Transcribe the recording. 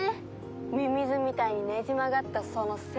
ミミズみたいにねじ曲がったその性格。